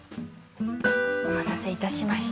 お待たせいたしました。